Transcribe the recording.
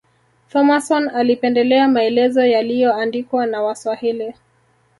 Thomason alipendelea maelezo yaliyoandikwa na waswahili